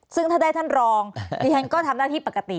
ซึ่งถ้าได้ท่านรองดิฉันก็ทำหน้าที่ปกติ